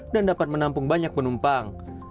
dan dapat menampung banyak penumpang